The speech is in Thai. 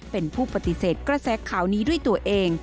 เป็นผู้ปฏิเสธกระแสข่าวนี้ด้วยตัวเอง